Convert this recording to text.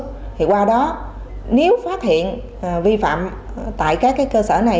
thì qua đó nếu phát hiện vi phạm tại các cơ sở này